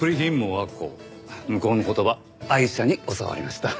向こうの言葉アイシャに教わりました。